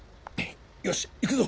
よし行くぞ。